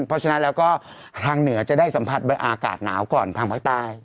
เพราะฉะนั้นแล้วก็ทางเหนือจะได้สัมผัสอากาศหนาวก่อนทางภาคใต้